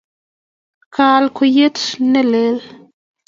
kaal kweyie ne lel.